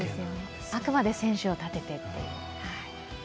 あくまで選手を立ててという。